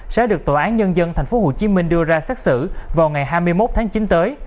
sẽ được tòa án nhân dân tp hcm đưa ra xét xử vào ngày hai mươi một tháng chín tới